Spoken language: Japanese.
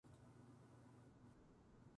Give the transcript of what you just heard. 誰もが秘めている